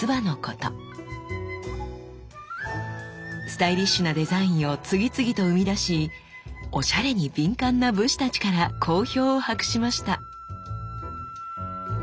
スタイリッシュなデザインを次々と生み出しおしゃれに敏感な武士たちから好評を博しました。